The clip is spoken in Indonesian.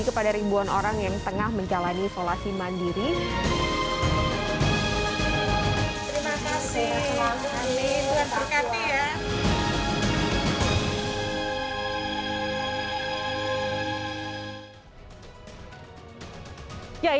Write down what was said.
kepada ribuan orang yang tengah menjalani isolasi mandiri ya